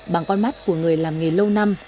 bằng con mắt của người làm nghề lâu năm